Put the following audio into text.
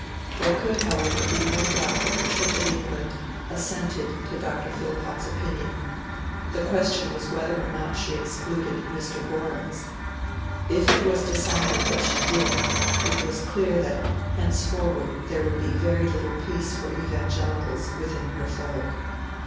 There could, however, be no doubt that the Church of England assented to Dr. Phillpotts' opinion; the question was whether or not she excluded Mr. Gorham's. If it was decided that she did, it was clear that henceforward, there would be very little peace for Evangelicals within her fold.